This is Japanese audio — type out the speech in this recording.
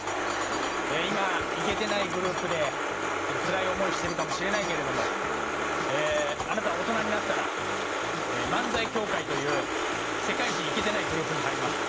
今イケてないグループでつらい思いしてるかもしれないけれどもあなたは大人になったら漫才協会という世界一イケてないグループに入ります。